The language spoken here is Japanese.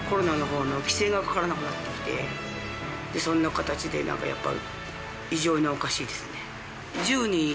そんな形でなんかやっぱ。